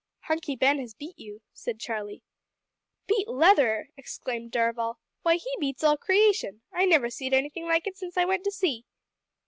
"Hunky Ben has beat you," said Charlie. "Beat Leather!" exclaimed Darvall, "why, he beats all creation. I never see'd anything like it since I went to sea."